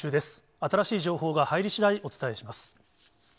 新しい情報が入りしだい、お伝えします。